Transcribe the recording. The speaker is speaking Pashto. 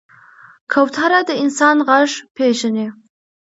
کوتره د انسان غږ پېژني.